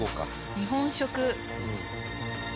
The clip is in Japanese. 日本食。